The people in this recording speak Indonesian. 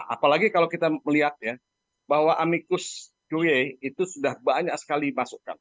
apalagi kalau kita melihat ya bahwa amicus due itu sudah banyak sekali masukan